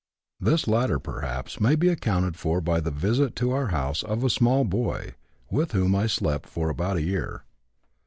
This latter perhaps may be accounted for by the visit to our house of a small boy with whom I slept for about a year.